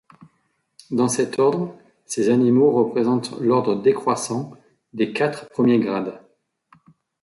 Dans cet ordre, ces animaux représentent l'ordre décroissant des quatre premiers grades.